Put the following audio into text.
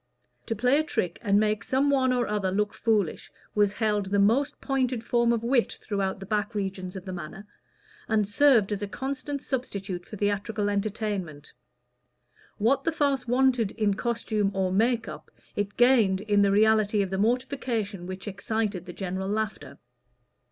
To play a trick, and make some one or other look foolish, was held the most pointed form of wit throughout the back regions of the Manor, and served as a constant substitute for theatrical entertainment: what the farce wanted in costume or "make up" it gained in the reality of the mortification which excited the general laughter.